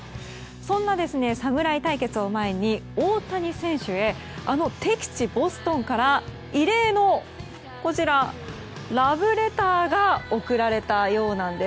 そんな侍対決を前に大谷選手へあの敵地ボストンから異例のラブレターが送られたようなんです。